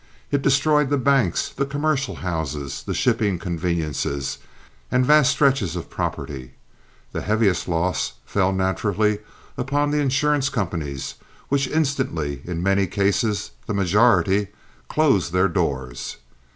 It destroyed the banks, the commercial houses, the shipping conveniences, and vast stretches of property. The heaviest loss fell naturally upon the insurance companies, which instantly, in many cases—the majority—closed their doors.